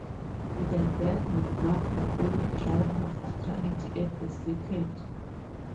The death would mark the only driver fatality at the circuit.